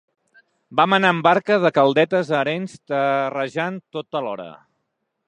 Vam anar amb barca de Caldetes a Arenys terrejant tota l'hora.